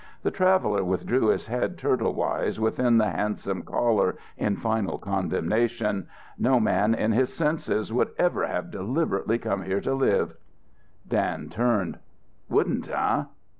The traveller withdrew his head turtlewise within the handsome collar in final condemnation. "No man in his senses would ever have deliberately come here to live." Dan turned. "Wouldn't, eh?"